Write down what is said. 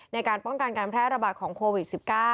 ในการป้องกันการแพร่ระบาดของโควิด๑๙